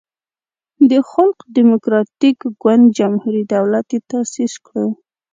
د خلق دیموکراتیک ګوند جمهوری دولت یی تاسیس کړو.